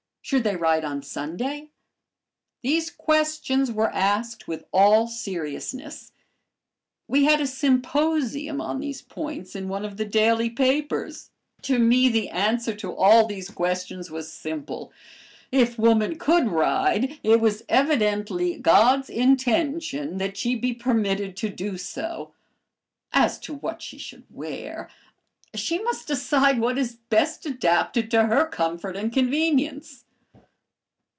Should they ride on Sunday? These questions were asked with all seriousness. We had a symposium on these points in one of the daily papers. To me the answer to all these questions was simple if woman could ride, it was evidently "God's intention" that she be permitted to do so. As to what she should wear, she must decide what is best adapted to her comfort and convenience.